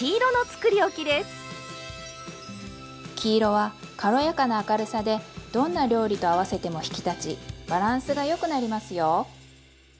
黄色は軽やかな明るさでどんな料理と合わせても引き立ちバランスがよくなりますよ。